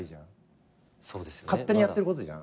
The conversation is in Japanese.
勝手にやってることじゃん。